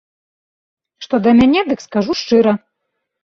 Што да мяне, дык скажу шчыра.